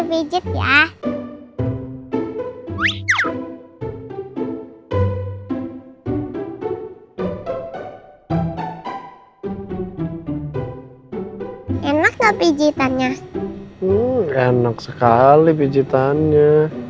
bisa buka dulu matanya